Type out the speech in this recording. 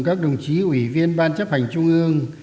các đồng chí ủy viên ban chấp hành trung ương